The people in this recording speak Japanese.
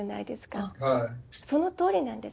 そのとおりなんです